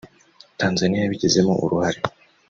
Tanzaniya yabigizemo uruhare